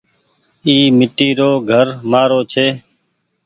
اي ميٽي رو گهر مآرو ڇي۔